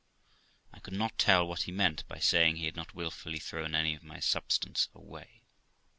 I could not tell what he meant by saying he had not wilfully thrown any of my substance away.